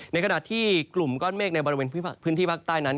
ในขณะที่กลุ่มก้อนเมฆในบริเวณพื้นที่ภาคใต้นั้น